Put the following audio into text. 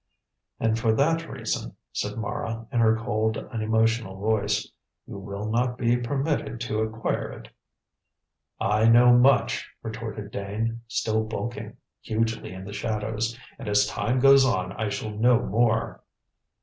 "And for that reason," said Mara, in her cold, unemotional voice, "you will not be permitted to acquire it." "I know much," retorted Dane, still bulking hugely in the shadows, "and as time goes on I shall know more."